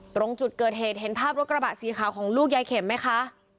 ตรงจุดเกิดเหตุเห็นภาพรถกระบะสีขาวของลูกยายเข็มไหมคะ